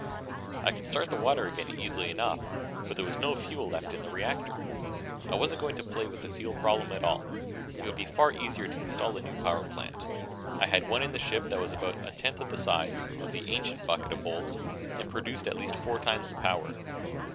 I could start the water again easily enough, but there was no fuel left in the reactor. I wasn't going to play with the fuel problem at all. It would be far easier to install a new power plant. I had one in the ship that was about a tenth the size of the ancient bucket of bolts and produced at least four times the power.